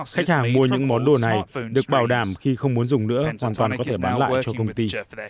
khách hàng mua những món đồ này được bảo đảm khi không muốn dùng nữa hoàn toàn có thể bán lại cho công ty